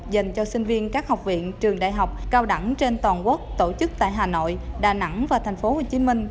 dành cho sinh viên các học viện trường đại học cao đẳng trên toàn quốc tổ chức tại hà nội đà nẵng và tp hcm